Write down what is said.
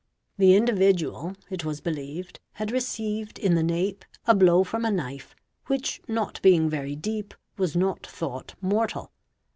The individual, it was believed, had received in the nape a blow from a knife, which not being very deep was not thought mortal.